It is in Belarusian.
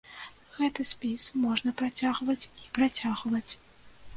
Гэты спіс можна працягваць і працягваць.